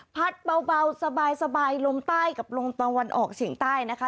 เบาสบายลมใต้กับลมตะวันออกเฉียงใต้นะคะ